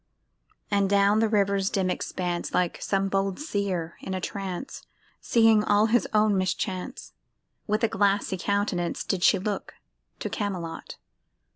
And down the river's dim expanse Like some bold seer in a trance, Seeing all his own mischance— With a glassy countenance Did she look to Camelot.